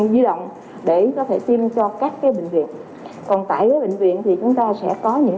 cố gắng để có thể tiêm cho các cái bệnh viện còn tại cái bệnh viện thì chúng ta sẽ có những